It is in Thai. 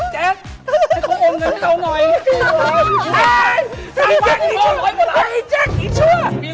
แจ๊กเธอต้องโอนเงินให้เราหน่อย